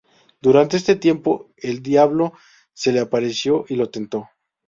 Durante este tiempo, el diablo se le apareció y lo tentó.